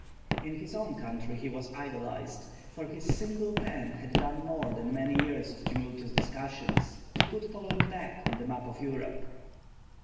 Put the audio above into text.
In his own country he was idolised, for his single pen had done more than many years of tumultuous discussion, to put Poland back on the map of Europe.